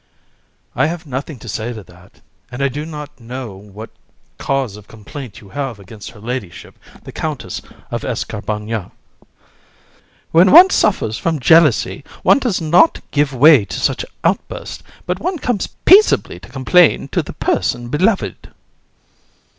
VISC. I have nothing to say to that, and I do not know what cause of complaint you can have against her ladyship the Countess of Escarbagnas. COUN. When one suffers from jealousy, one does not give way to such outbursts, but one comes peaceably to complain to the person beloved.